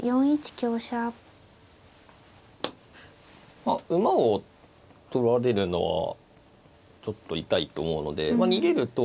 まあ馬を取られるのはちょっと痛いと思うので逃げると思いますが。